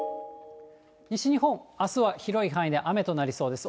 西日本、あすは広い範囲で雨となりそうです。